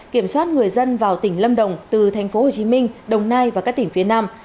kiểm soát người dân vào tỉnh lâm đồng từ tp hcm đồng nai và các tỉnh phía nam